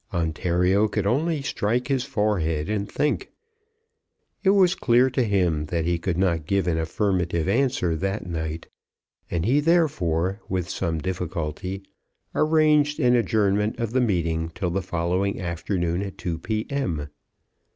Ontario could only strike his forehead and think. It was clear to him that he could not give an affirmative answer that night, and he therefore, with some difficulty, arranged an adjournment of the meeting till the following afternoon at 2 P.M.